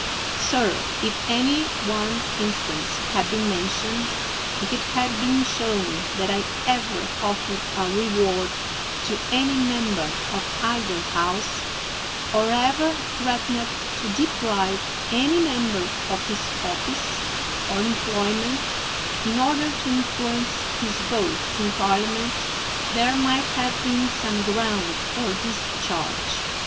Sir, if any one instance had been mentioned, if it had been shown that I ever offered a reward to any member of either House, or ever threatened to deprive any member of his office or employ ment, in order to influence his vote in Parliament, there might have been some ground for this ?harge.